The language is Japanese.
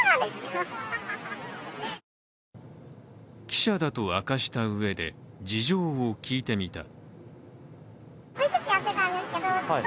記者だと明かしたうえで、事情を聞いてみた。